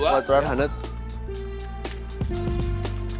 masih ada dua